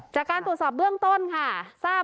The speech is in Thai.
จากการตรวจสอบเรื่องต้นค่ะ